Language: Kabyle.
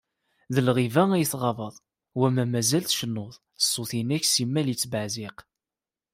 D lɣiba ay tɣabeḍ, wama mazal tcennuḍ, ṣṣut-inek simmal yettbeɛziq.